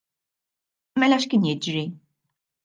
Mela x'kien jiġri?